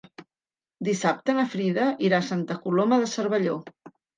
Dissabte na Frida irà a Santa Coloma de Cervelló.